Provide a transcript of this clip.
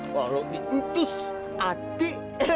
kalau diintus hati